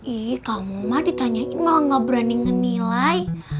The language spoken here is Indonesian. ih kamu mah ditanyain malah gak berani ngenilai